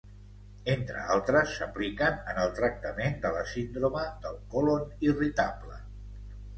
Entre altres s'apliquen en el tractament de la síndrome del colon irritable.